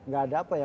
gak ada apa ya